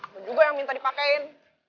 lo juga yang minta dipakein